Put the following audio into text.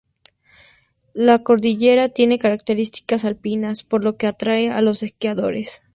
La cordillera tiene características alpinas, por lo que atrae a los esquiadores.